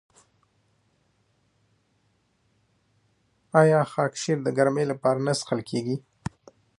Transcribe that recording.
آیا خاکشیر د ګرمۍ لپاره نه څښل کیږي؟